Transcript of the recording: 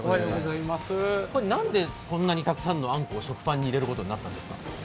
これ、なんでこんなにたくさんのあんこを食パンに入れることになったんですか？